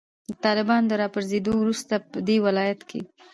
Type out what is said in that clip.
د طالبانو د راپرزیدو وروسته پدې ولایت کې